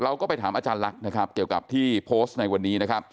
เราก็ไปถามอาจารย์ลักษณ์เกี่ยวกับที่โพสต์ในวันนี้